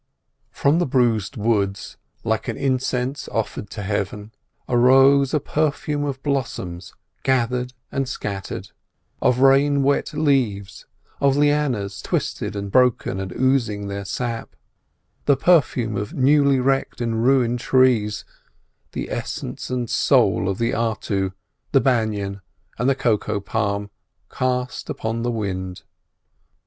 From the bruised woods, like an incense offered to heaven, rose a perfume of blossoms gathered and scattered, of rain wet leaves, of lianas twisted and broken and oozing their sap; the perfume of newly wrecked and ruined trees—the essence and soul of the artu, the banyan and cocoa palm cast upon the wind.